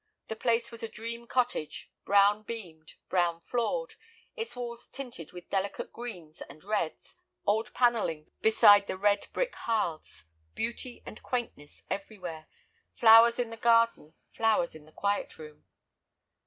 The place was a dream cottage, brown beamed, brown floored, its walls tinted with delicate greens and reds, old panelling beside the red brick hearths, beauty and quaintness everywhere, flowers in the garden, flowers in the quiet room.